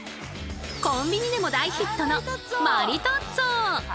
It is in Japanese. コンビニでも大ヒットのマリトッツォ！